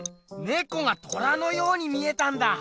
ねこが虎のように見えたんだ！